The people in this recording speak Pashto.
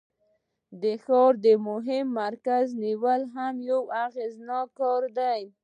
د ښار د مهم مرکز نیول هم یو اغیزناک کار دی.